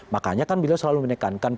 makanya kan beliau selalu menekankan